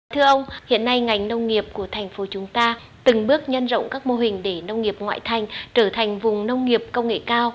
thưa ông hiện nay ngành nông nghiệp của thành phố chúng ta từng bước nhân rộng các mô hình để nông nghiệp ngoại thành trở thành vùng nông nghiệp công nghệ cao